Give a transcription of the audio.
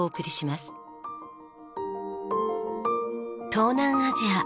東南アジア